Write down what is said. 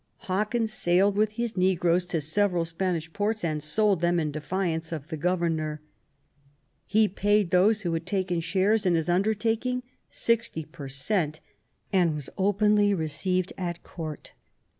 Hawkins sailed with his negroes to several Spanish ports and sold them in defiance of the Governor. He paid those who had taken shares in his undertaking 60 per cent., and was openly received at Court.